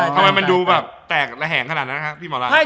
ทำไมมันดูแบบแตกระแหงขนาดนั้น